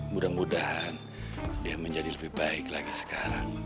mudah mudahan dia menjadi lebih baik lagi sekarang